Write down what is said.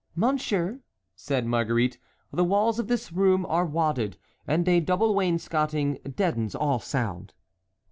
"Monsieur," said Marguerite, "the walls of this room are wadded, and a double wainscoting deadens all sound."